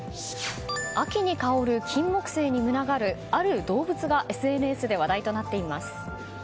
秋に香るキンモクセイに群がるある動物がＳＮＳで話題となっています。